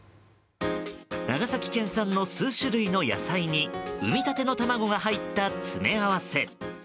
長崎県産の数種類の野菜に産み立ての卵が入った詰め合わせ。